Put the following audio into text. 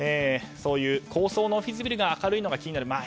そういう高層のオフィスビルが明るいのが気になる。